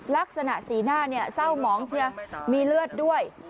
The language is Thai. ลักษณะสีหน้าเศร้าหมองเชียมีเลือดด้วย